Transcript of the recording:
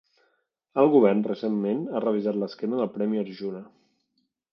El govern recentment ha revisat l'esquema del Premi Arjuna.